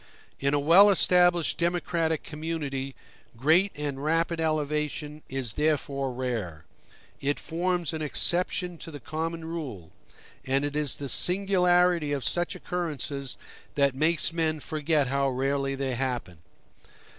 In a well established democratic community great and rapid elevation is therefore rare; it forms an exception to the common rule; and it is the singularity of such occurrences that makes men forget how rarely they happen.